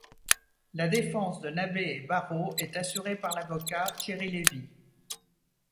La défense de Nabe et Barrault est assurée par l'avocat Thierry Lévy.